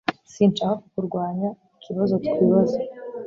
Sinshaka kukurwanya ikibazo twibaza